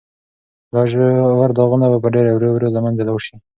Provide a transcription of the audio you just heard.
دا ژور داغونه به په ډېرې ورو ورو له منځه لاړ شي.